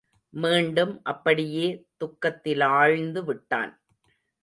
மீண்டும் அப்படியே துக்கத்திலாழ்ந்து விட்டான்.